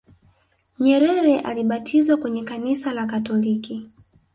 nyerere alibatizwa kwenye kanisa la katoliki